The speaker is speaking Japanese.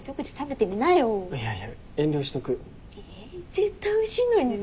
絶対おいしいのにね。ねぇ！